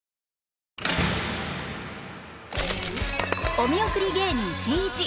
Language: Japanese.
お見送り芸人しんいち